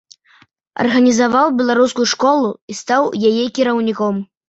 Арганізаваў беларускую школу і стаў яе кіраўніком.